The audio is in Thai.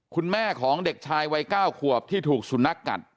คุณแม่ของเด็กชายวัย๙ขวบที่ถูกสุนัขกัด